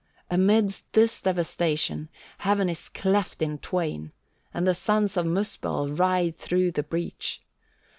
Amidst this devastation heaven is cleft in twain, and the sons of Muspell ride through the breach.